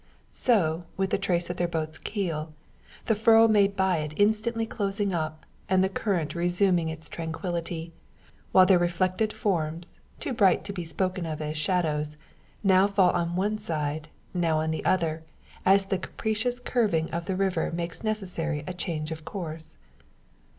So, with the trace of their boat's keel; the furrow made by it instantly closing up, and the current resuming its tranquillity; while their reflected forms too bright to be spoken of as shadows now fall on one side, now on the other, as the capricious curving of the river makes necessary a change of course.